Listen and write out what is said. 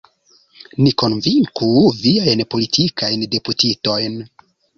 Ni konvinku viajn politikajn deputitojn!